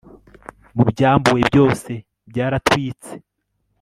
mubyambuwe byose byaratwitse